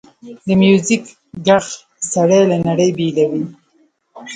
د میوزیک ږغ سړی له نړۍ بېلوي.